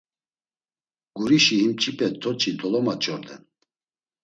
Gurişi him mç̌ipe toç̌i dolomaç̌orden.